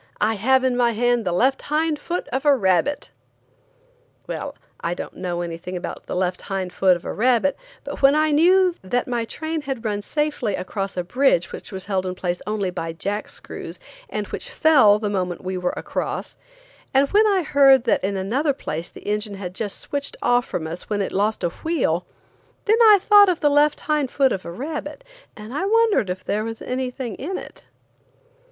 I have in my hand the left hind foot of a rabbit!" Well, I don't know anything about the left hind foot of a rabbit, but when I knew that my train had run safely across a bridge which was held in place only by jack screws, and which fell the moment we were across; and when I heard that in another place the engine had just switched off from us when it lost a wheel, then I thought of the left hind foot of a rabbit, and wondered if there was anything in it.